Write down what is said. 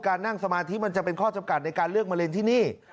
นั่งสมาธิมันจะเป็นข้อจำกัดในการเลือกมะเร็งที่นี่